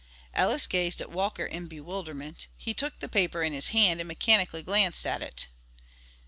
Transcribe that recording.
Ellis gazed at Walker in bewilderment; he took the paper in his hand and mechanically glanced at it.